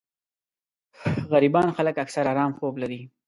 غريبان خلک اکثر ارام خوب لري